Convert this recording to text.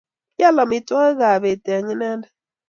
kial maitwogikab beet eng inendet